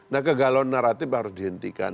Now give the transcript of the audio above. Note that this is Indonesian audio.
nah kegalauan naratif harus dihentikan